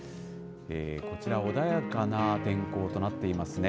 こちら、穏やかな天候となっていますね。